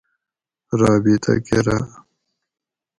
رابطہ کراۤ